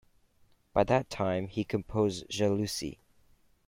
By that time he composed "Jalousie".